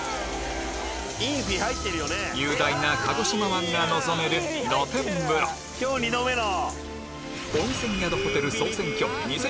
雄大な鹿児島湾が望める今日２度目の！